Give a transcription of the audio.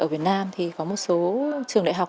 ở việt nam thì có một số trường đại học